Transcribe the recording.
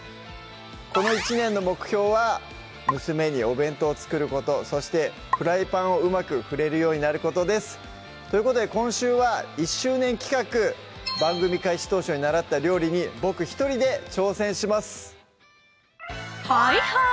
この１年の目標は娘にお弁当を作ることそしてフライパンを上手く振れるようになることですということで今週は１周年企画番組開始当初に習った料理に僕１人で挑戦します